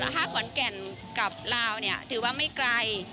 ห้าขวัญแก่นกับลาวเนี่ยถือว่าไม่ไกล